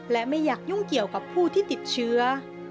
และไม่อยากยุ่งเกี่ยวกับผู้ที่ติดเชื้อ